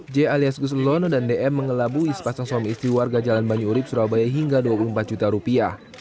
j alias guslono dan dm mengelabui sepasang suami istri warga jalan banyu urib surabaya hingga dua puluh empat juta rupiah